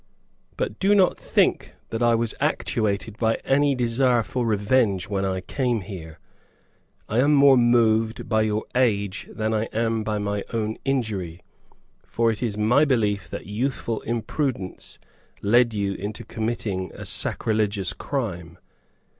But do not think that I was actuated by any desire for revenge when I came here: I am more moved by your age than I am by my own injury, for it is my belief that youthful imprudence led you into committing a sacrilegious crime.